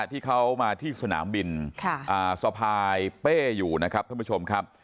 ที่เขามาที่สนามบินสะพายเป้อยู่นะครับท่านผู้ชมครับ